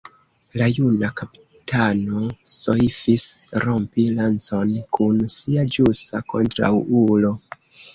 La juna kapitano soifis rompi lancon kun sia ĵusa kontraŭulo.